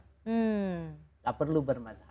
tidak perlu bermazhab